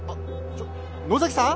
ちょっ野崎さん？